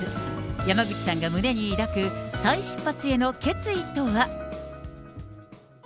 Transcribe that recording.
山口さんが胸に抱く、再出発への決意とは。